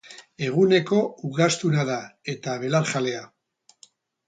Eguneko ugaztuna da, eta belarjalea.